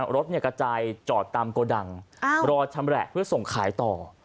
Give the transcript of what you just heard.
รถกระจายจอดตามโกดังรอชำแหละเพื่อส่งขายต่อ